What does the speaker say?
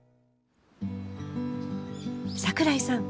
桜井さん